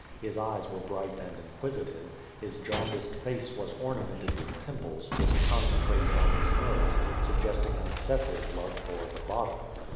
His eyes were bright and inquisitive. His jaundiced face was ornamented with pimples, which concentrated on his nose, suggesting an excessive love for the bottle.